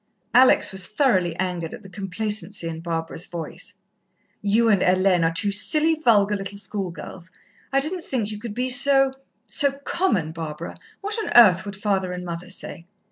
Alex was thoroughly angered at the complacency in Barbara's voice. "You and Hélène are two silly, vulgar, little schoolgirls. I didn't think you could be so so common, Barbara. What on earth would father and mother say?"